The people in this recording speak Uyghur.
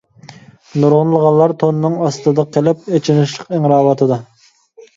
نۇرغۇنلىغانلار توننىڭ ئاستىدا قېلىپ ئېچىنىشلىق ئىڭراۋاتىدۇ.